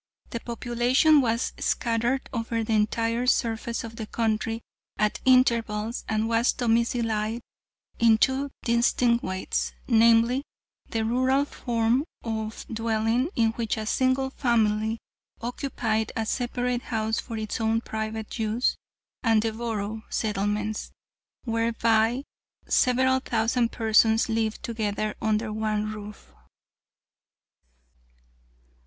The population was scattered over the entire surface of the country at intervals and was domiciled in two distinct ways, namely: the rural form of dwelling, in which a single family occupied a separate house for its own private use, and the borough settlements, whereby several thousand persons lived together under one roof.